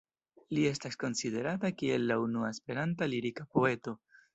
Li estas konsiderata kiel la unua Esperanta lirika poeto.